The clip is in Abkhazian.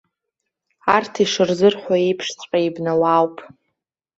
Арҭ ишырзырҳәо еиԥшҵәҟьа ибнауаауп!